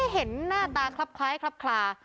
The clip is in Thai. เห็นหน้าตาคลับคล้ายคลับคลา